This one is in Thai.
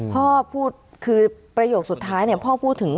พ่อพูดคือประโยคสุดท้ายพ่อพูดถึง